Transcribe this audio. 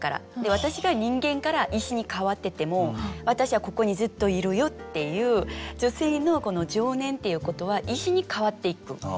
私が人間から石に変わってても私はここにずっといるよっていう女性のこの情念っていうことは石に変わっていく。